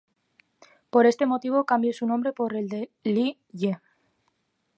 Por este motivo cambió su nombre por el de Li Ye.